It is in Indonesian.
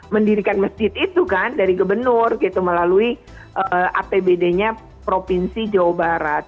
mendirikan masjid itu kan dari gubernur gitu melalui apbd nya provinsi jawa barat